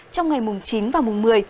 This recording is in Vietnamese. trong ngày mùng chín và mùng một mươi